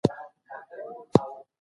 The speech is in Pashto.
ما پرون د هېواد تاريخ مطالعه کړ.